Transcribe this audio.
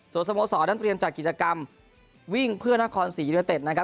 สวสมศาสตร์นั้นเตรียมจัดกิจกรรมวิ่งเพื่อนคร๔ยนต์